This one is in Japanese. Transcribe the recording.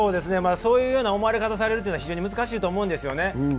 そういうような思われ方をされるというのは非常に難しいと思うんですよね。